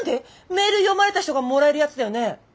メール読まれた人がもらえるやつだよね。